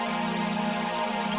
va ini sangat teruk